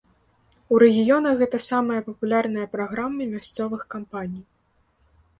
У рэгіёнах гэта самыя папулярныя праграмы мясцовых кампаній.